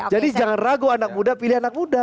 jadi jangan ragu anak muda pilih anak muda